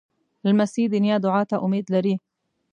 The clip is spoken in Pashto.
لمسی د نیا دعا ته امید لري.